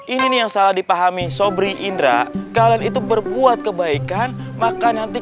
ini nih yang salah dipahami sobri indra kalian itu berbuat kebaikan maka nanti